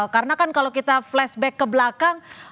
karena kan kalau kita flashback ke belakang